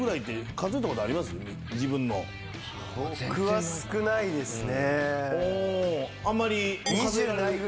僕も少ないっすね。